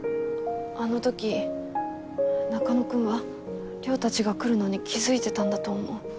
あの時中野くんは稜たちが来るのに気づいてたんだと思う。